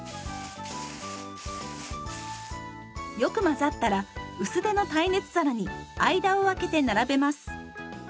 よく混ざったら薄手の耐熱皿に間をあけて並べます。